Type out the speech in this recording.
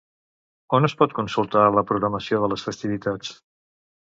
On es pot consultar la programació de les festivitats?